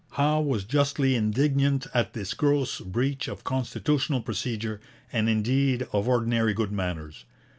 Howe was justly indignant at this gross breach of constitutional procedure, and indeed of ordinary good manners.